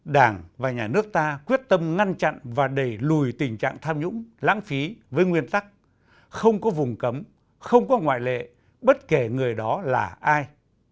đảng và nhà nước ta quyết tâm ngăn chặn và đẩy lùi tình trạng tham nhũng lãng phí với nguyên tắc không có vùng cấm không có ngoại lệ bất kể người đó là ai